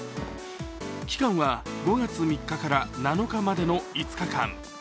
期間は、５月３日から７日までの５日間。